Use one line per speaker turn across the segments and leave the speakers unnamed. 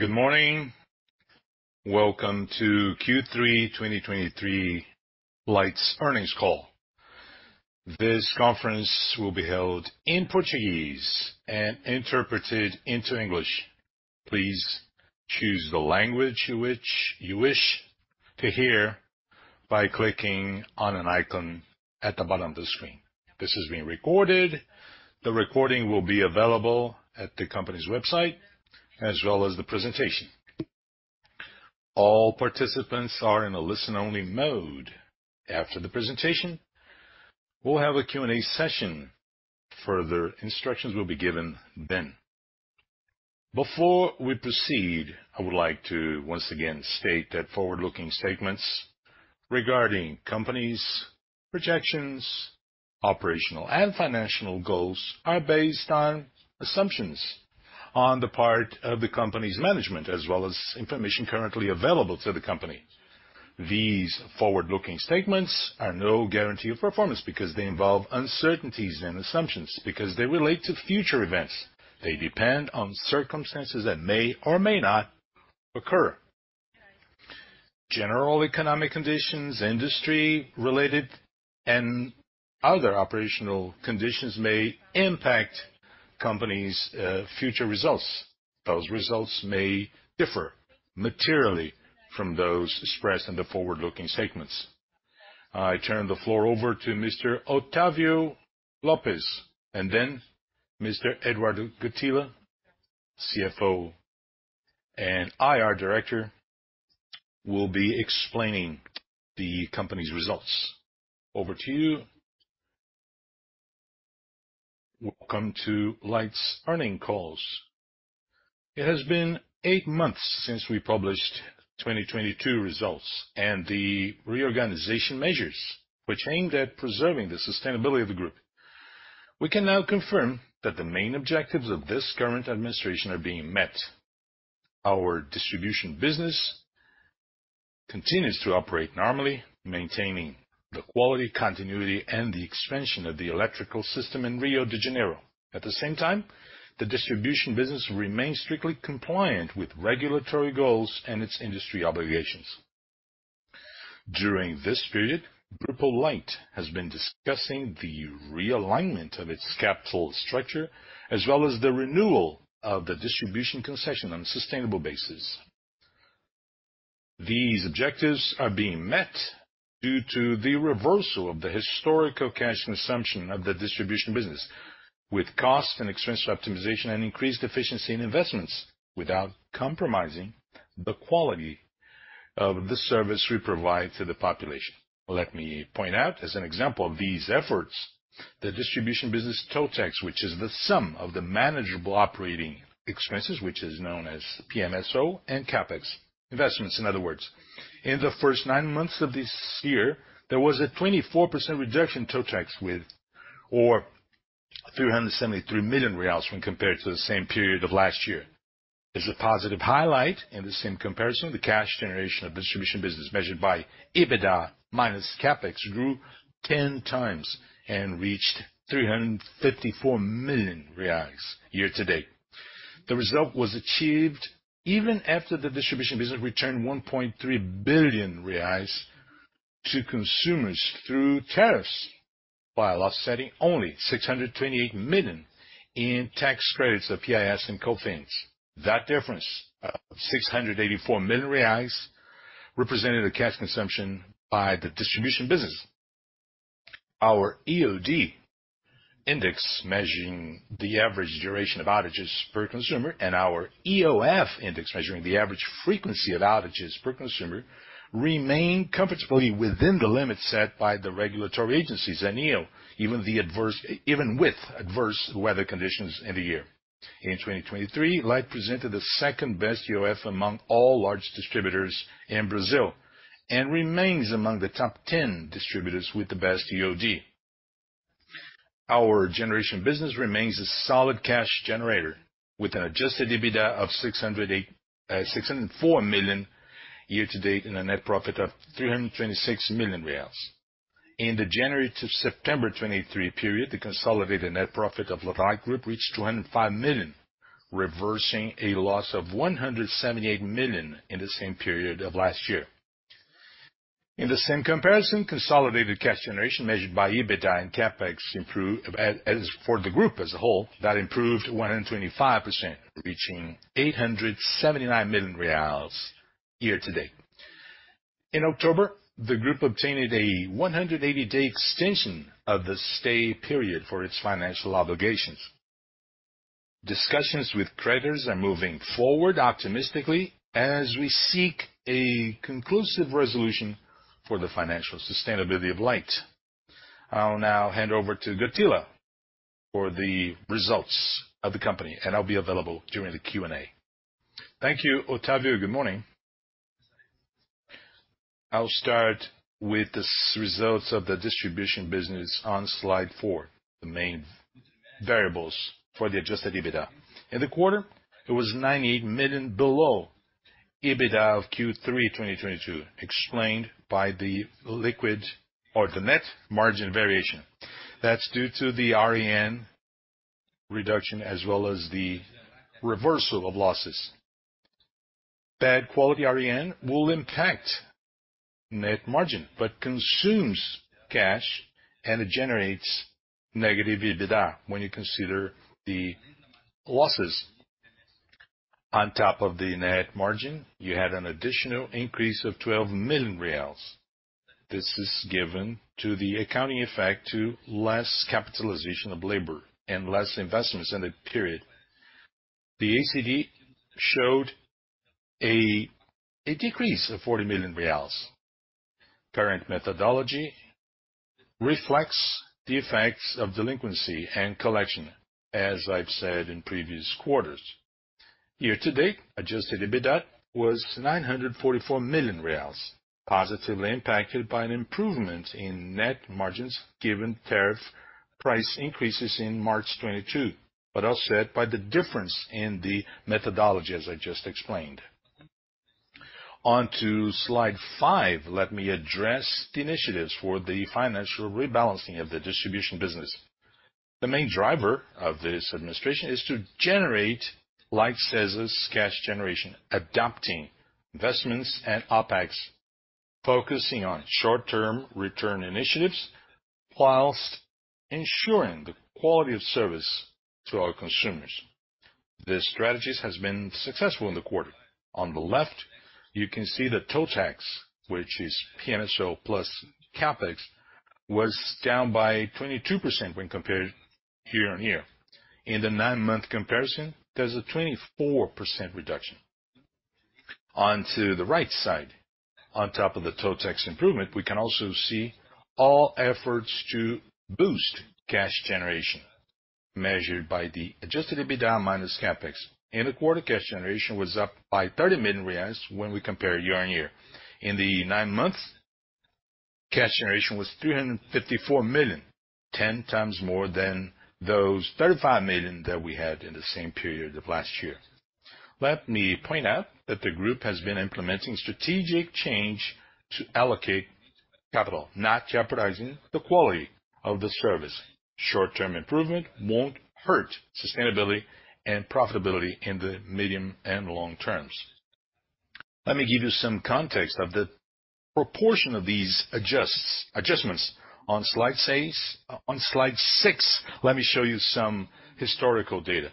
Good morning. Welcome to Q3 2023 Light's earnings call. This conference will be held in Portuguese and interpreted into English. Please choose the language you wish to hear by clicking on an icon at the bottom of the screen. This is being recorded. The recording will be available at the company's website, as well as the presentation. All participants are in a listen-only mode. After the presentation, we'll have a Q&A session. Further instructions will be given then. Before we proceed, I would like to once again state that forward-looking statements regarding company's projections, operational and financial goals, are based on assumptions on the part of the company's management, as well as information currently available to the company. These forward-looking statements are no guarantee of performance, because they involve uncertainties and assumptions. Because they relate to future events, they depend on circumstances that may or may not occur. General economic conditions, industry related, and other operational conditions may impact the company's future results. Those results may differ materially from those expressed in the forward-looking statements. I turn the floor over to Mr. Octavio Lopes, and then Mr. Eduardo Gotilla, CFO and IR Director, will be explaining the company's results. Over to you.
Welcome to Light's earnings call. It has been eight months since we published 2022 results and the reorganization measures, which aimed at preserving the sustainability of the group. We can now confirm that the main objectives of this current administration are being met. Our distribution business continues to operate normally, maintaining the quality, continuity, and the expansion of the electrical system in Rio de Janeiro. At the same time, the distribution business remains strictly compliant with regulatory goals and its industry obligations. During this period, Grupo Light has been discussing the realignment of its capital structure, as well as the renewal of the distribution concession on a sustainable basis. These objectives are being met due to the reversal of the historical cash assumption of the distribution business, with cost and expense optimization and increased efficiency in investments, without compromising the quality of the service we provide to the population. Let me point out, as an example, of these efforts, the distribution business TOTEX, which is the sum of the manageable operating expenses, which is known as PMSO and CapEx investments, in other words. In the first nine months of this year, there was a 24% reduction TOTEX with, or 373 million reais when compared to the same period of last year. As a positive highlight, in the same comparison, the cash generation of distribution business, measured by EBITDA minus CapEx, grew 10x and reached 354 million reais year to date. The result was achieved even after the distribution business returned 1.3 billion reais to consumers through tariffs, while offsetting only 628 million in tax credits, the PIS and COFINS. That difference of 684 million reais represented a cash consumption by the distribution business. Our EOD index, measuring the average duration of outages per consumer, and our EOF index, measuring the average frequency of outages per consumer, remain comfortably within the limits set by the regulatory agencies and ANEEL, even with adverse weather conditions in the year. In 2023, Light presented the second-best EOF among all large distributors in Brazil, and remains among the top 10 distributors with the best EOD. Our generation business remains a solid cash generator, with an Adjusted EBITDA of 604 million year to date and a net profit of 326 million reais. In the January to September 2023 period, the consolidated net profit of Light Group reached 205 million, reversing a loss of 178 million in the same period of last year. In the same comparison, consolidated cash generation measured by EBITDA and CapEx improved, as for the group as a whole, that improved 125%, reaching 879 million reais year to date. In October, the group obtained a 180-day extension of the stay period for its financial obligations. Discussions with creditors are moving forward optimistically as we seek a conclusive resolution for the financial sustainability of Light. I'll now hand over to Gotilla for the results of the company, and I'll be available during the Q&A.
Thank you, Octavio. Good morning. I'll start with the results of the distribution business on slide 4, the main variables for the Adjusted EBITDA. In the quarter, it was 98 million below EBITDA of Q3 2022, explained by the liquid or the net margin variation. That's due to the REN reduction, as well as the reversal of losses. Bad quality REN will impact net margin, but consumes cash, and it generates negative EBITDA when you consider the losses. On top of the net margin, you had an additional increase of 12 million reais. This is given to the accounting effect to less capitalization of labor and less investments in the period. The ACD showed a decrease of 40 million reais. Current methodology reflects the effects of delinquency and collection, as I've said in previous quarters. Year to date, Adjusted EBITDA was 944 million reais, positively impacted by an improvement in net margins, given tariff price increases in March 2022, but offset by the difference in the methodology, as I just explained. On to slide 5, let me address the initiatives for the financial rebalancing of the distribution business. The main driver of this administration is to generate, Light SESA's cash generation, adapting investments and OpEx, focusing on short-term return initiatives, while ensuring the quality of service to our consumers.
These strategies have been successful in the quarter. On the left, you can see the TOTEX, which is PMSO plus CapEx, was down by 22% when compared year-on-year. In the nine-month comparison, there's a 24% reduction. On the right side. On top of the TOTEX improvement, we can also see all efforts to boost cash generation, measured by the Adjusted EBITDA minus CapEx. In the quarter, cash generation was up by 30 million reais when we compare year-on-year. In the nine months, cash generation was 354 million, 10 times more than those 35 million that we had in the same period of last year. Let me point out that the group has been implementing strategic change to allocate capital, not jeopardizing the quality of the service.
Short-term improvement won't hurt sustainability and profitability in the medium and long terms. Let me give you some context of the proportion of these adjusts, adjustments. On slide six, on slide six, let me show you some historical data.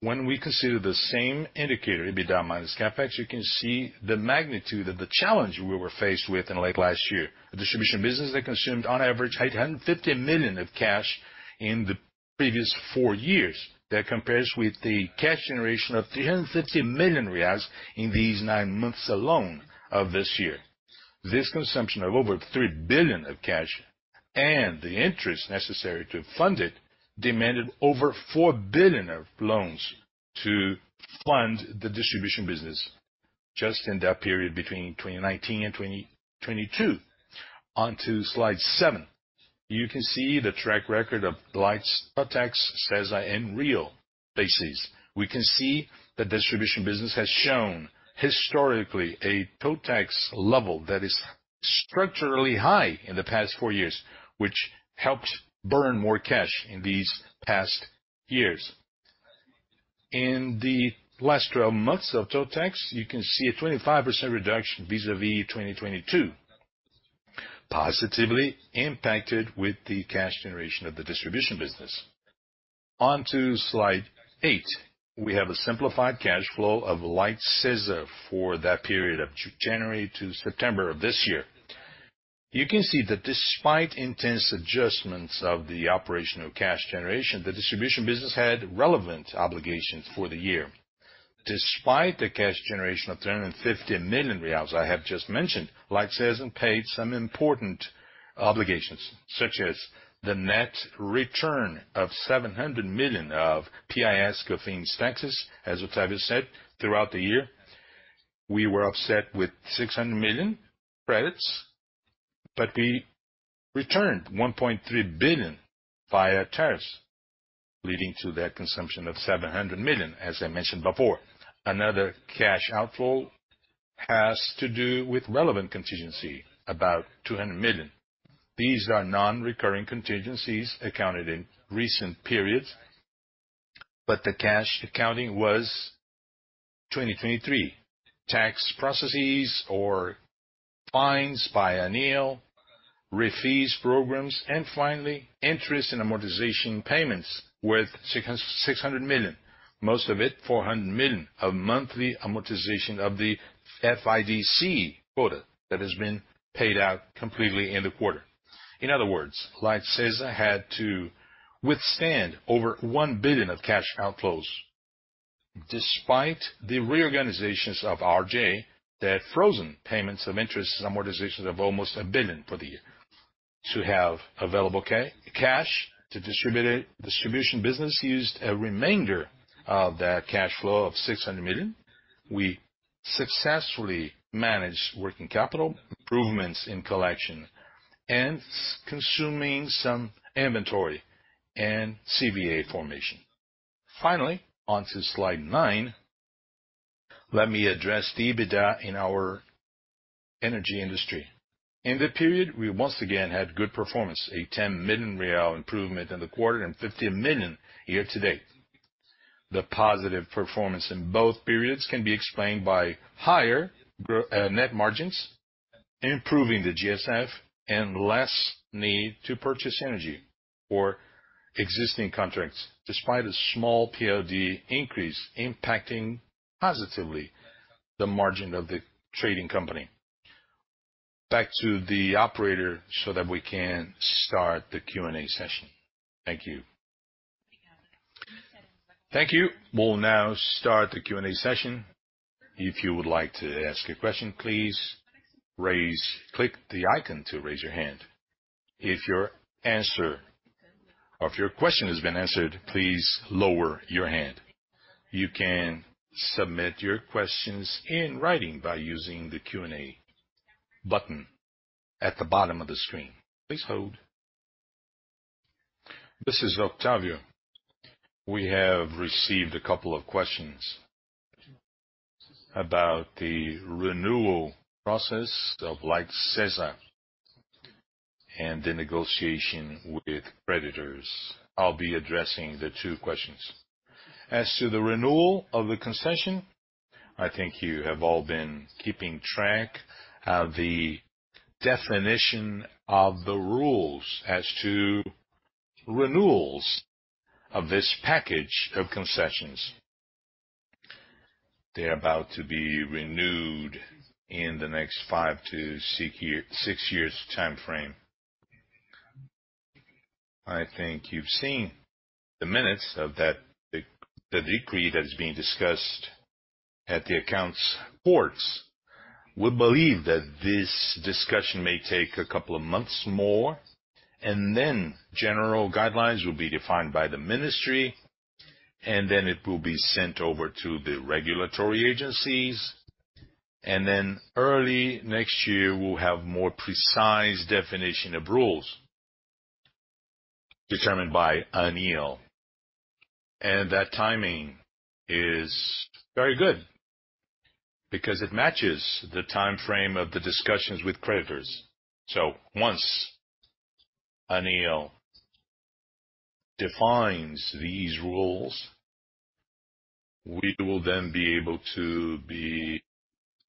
When we consider the same indicator, EBITDA minus CapEx, you can see the magnitude of the challenge we were faced with in late last year. The distribution business that consumed on average 850 million of cash in the previous four years. That compares with the cash generation of 350 million reais in these nine months alone of this year. This consumption of over 3 billion of cash and the interest necessary to fund it demanded over 4 billion of loans to fund the distribution business just in that period between 2019 and 2022. On to slide 7. You can see the track record of Light's TOTEX SESA's in real basis. We can see the distribution business has shown historically a TOTEX level that is structurally high in the past four years, which helped burn more cash in these past years. In the last 12 months of TOTEX, you can see a 25% reduction vis-à-vis 2022, positively impacted with the cash generation of the distribution business. On to slide 8. We have a simplified cash flow of Light SESA for that period of January to September of this year. You can see that despite intense adjustments of the operational cash generation, the distribution business had relevant obligations for the year. Despite the cash generation of 350 million reais I have just mentioned, Light SESA paid some important obligations, such as the net return of 700 million of PIS-COFINS taxes. As Octavio said, throughout the year, we were offset with 600 million credits, but we returned 1.3 billion via tariffs, leading to that consumption of 700 million, as I mentioned before. Another cash outflow has to do with relevant contingency, about 200 million. These are non-recurring contingencies accounted in recent periods, but the cash accounting was 2023. Tax processes or fines by ANEEL, rescue programs, and finally, interest and amortization payments worth 600 million, most of it, 400 million, of monthly amortization of the FIDC quota that has been paid out completely in the quarter. In other words, Light SESA had to withstand over 1 billion of cash outflows, despite the reorganizations of RJ, that froze payments of interest and amortization of almost 1 billion for the year. To have available cash to distribute it, distribution business used a remainder of that cash flow of 600 million. We successfully managed working capital, improvements in collection and consuming some inventory and CVA formation. Finally, on to slide nine, let me address the EBITDA in our energy industry. In the period, we once again had good performance, a 10 million real improvement in the quarter, and 50 million year-to-date. The positive performance in both periods can be explained by higher gross net margins, improving the GSF, and less need to purchase energy for existing contracts, despite a small PLD increase impacting positively the margin of the trading company. Back to the operator, so that we can start the Q&A session. Thank you.
Thank you. We'll now start the Q&A session. If you would like to ask a question, please click the icon to raise your hand. If your answer or if your question has been answered, please lower your hand. You can submit your questions in writing by using the Q&A button at the bottom of the screen. Please hold.
This is Octavio. We have received a couple of questions about the renewal process of Light SESA and the negotiation with creditors. I'll be addressing the two questions. As to the renewal of the concession, I think you have all been keeping track of the definition of the rules as to renewals of this package of concessions. They're about to be renewed in the next five to six years time frame. I think you've seen the minutes of that, the decree that is being discussed at the Congress. We believe that this discussion may take a couple of months more, and then general guidelines will be defined by the ministry, and then it will be sent over to the regulatory agencies, and then early next year, we'll have more precise definition of rules determined by ANEEL. And that timing is very good because it matches the time frame of the discussions with creditors. So once ANEEL defines these rules, we will then be able to be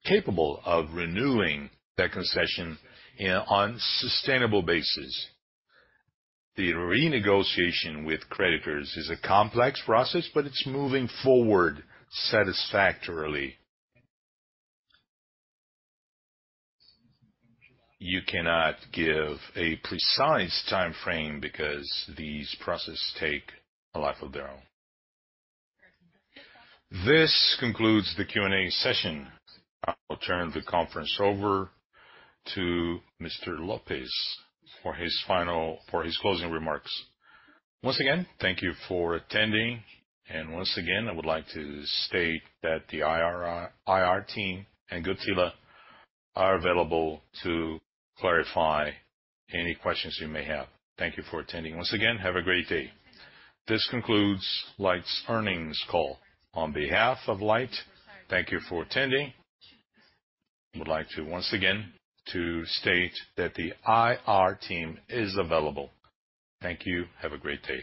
capable of renewing that concession in, on sustainable basis. The renegotiation with creditors is a complex process, but it's moving forward satisfactorily. You cannot give a precise time frame because these processes take a life of their own.
This concludes the Q&A session. I'll turn the conference over to Mr. Lopes for his final, for his closing remarks.
Once again, thank you for attending, and once again, I would like to state that the IR, IR team and Gotilla are available to clarify any questions you may have. Thank you for attending. Once again, have a great day. This concludes Light's earnings call. On behalf of Light, thank you for attending. I would like to once again state that the IR team is available. Thank you. Have a great day.